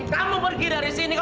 kamu pergi dari sini